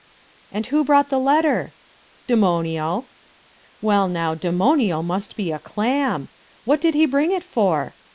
"And who brought the letter?" "Demonio." "Well, now, Demonio must be a clam! What did he bring it for?"